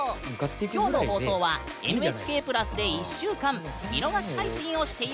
今日の放送は「ＮＨＫプラス」で１週間見逃し配信をしているよ！